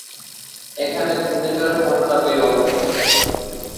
এখানে ঘূর্ণিঝড়ের ঘটনা বিরল।